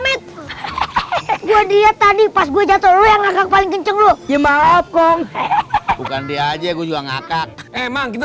enggak ngakak paling kenceng lu ya maaf kong bukan dia aja gue juga ngakak emang kita